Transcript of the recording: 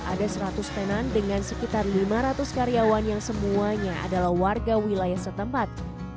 ada seratus tenan dengan sekitar lima ratus karyawan yang semuanya adalah warga wilayah setempat